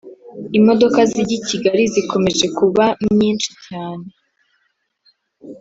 Imodoka zijya ikigali zikomeje kubamyishi cyane